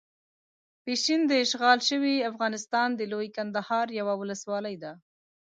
پشین داشغال شوي افغانستان د لويې کندهار یوه ولسوالۍ ده.